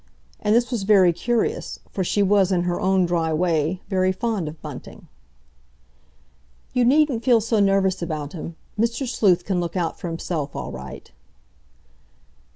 And this was very curious, for she was, in her own dry way, very fond of Bunting. "You needn't feel so nervous about him; Mr. Sleuth can look out for himself all right."